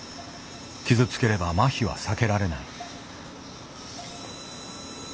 傷つければ麻痺は避けられない。